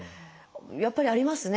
やっぱりありますね